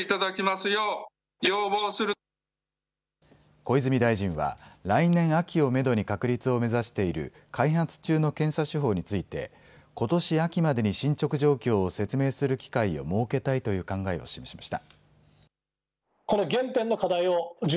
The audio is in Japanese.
小泉大臣は来年秋をめどに確立を目指している開発中の検査手法についてことし秋までに進捗状況を説明する機会を設けたいという考えを示しました。